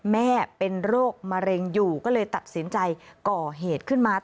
แม่เป็นโรคมะเร็งอยู่ก็เลยตัดสินใจก่อเหตุขึ้นมา